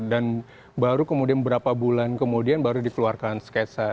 dan baru kemudian beberapa bulan kemudian baru dikeluarkan sketsa